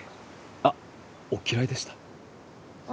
あっお嫌いでした？